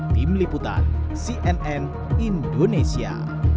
tim liputan cnn indonesia